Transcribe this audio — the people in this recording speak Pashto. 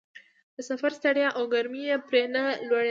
د سفر ستړیا او ګرمۍ یې پرې نه لورېدلې.